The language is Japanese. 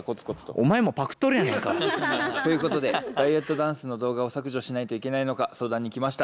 お前もパクっとるやないか。ということでダイエットダンスの動画を削除しないといけないのか相談に来ました。